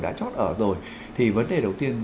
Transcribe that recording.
đã chót ở rồi thì vấn đề đầu tiên